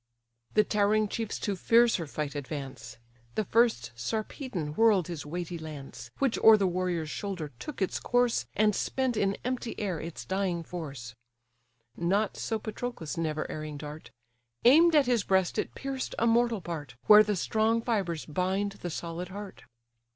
The towering chiefs to fiercer fight advance: And first Sarpedon whirl'd his weighty lance, Which o'er the warrior's shoulder took its course, And spent in empty air its dying force. Not so Patroclus' never erring dart; Aim'd at his breast it pierced a mortal part, Where the strong fibres bind the solid heart.